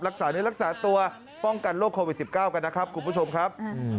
เนื้อรักษาตัวป้องกันโรคโควิด๑๙กันนะครับคุณผู้ชมครับ